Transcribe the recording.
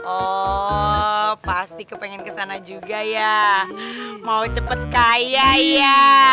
oh pasti ke pengen kesana juga ya mau cepet kaya ya